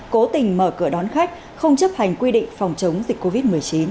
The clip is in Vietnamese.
cố tình mở cửa đón khách không chấp hành quy định phòng chống dịch covid một mươi chín